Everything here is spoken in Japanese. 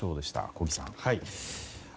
小木さん。